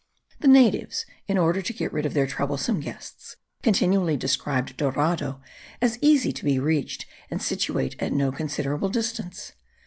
The natives, in order to get rid of their troublesome guests, continually described Dorado as easy to be reached, and situate at no considerable distance.